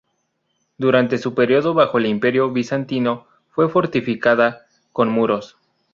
Durante su período bajo el Imperio bizantino, fue fortificada con muros.